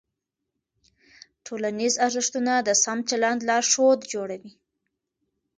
ټولنیز ارزښتونه د سم چلند لارښود جوړوي.